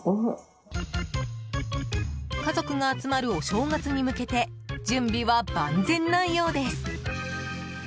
家族が集まるお正月に向けて準備は万全なようです。